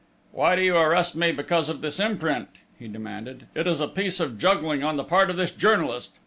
"Why do you arrest me because of this imprint?" he demanded. "It is a piece of juggling on the part of this journalist!...